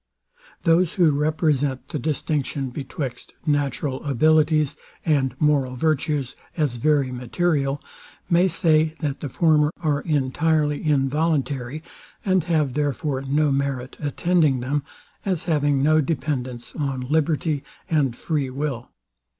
Those, who represent the distinction betwixt natural abilities and moral virtues as very material, may say, that the former are entirely involuntary, and have therefore no merit attending them, as having no dependance on liberty and free will.